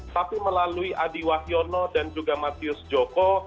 tapi melalui adi wahyono dan juga matius joko